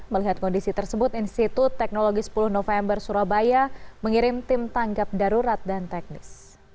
melihat kondisi tersebut institut teknologi sepuluh november surabaya mengirim tim tanggap darurat dan teknis